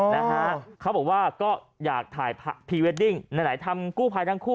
นะฮะเขาบอกว่าก็อยากถ่ายพรีเวดดิ้งไหนทำกู้ภัยทั้งคู่